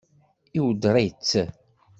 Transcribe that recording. Iweddeṛ-itt?